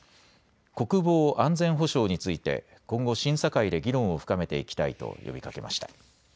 国防・安全保障について、今後、審査会で議論を深めていきたいと呼びかけました。